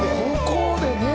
「ここでね」